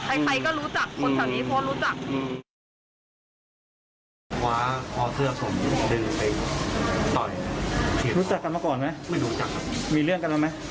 ใครก็รู้จักคนแถวนี้พวกเขารู้จัก